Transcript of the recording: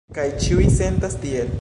Kaj ĉiuj sentas tiel.